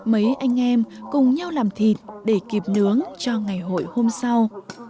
mấy anh em cùng nhau làm thịt để kịp nướng cho ngày hội hôm sau